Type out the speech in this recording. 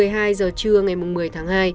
một mươi hai giờ trưa ngày một mươi tháng hai